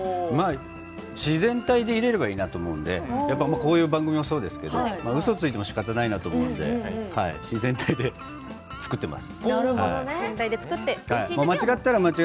自然体でいれればいいなと思うのでこういう番組もそうですけどうそついてもしかたがないなと思うので自然体で作ってます。